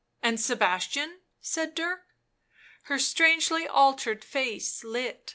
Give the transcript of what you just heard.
"And Sebastian?" said Dirk. Her strangely altered face lit and changed.